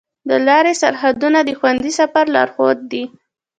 د لارې سرحدونه د خوندي سفر لارښود دي.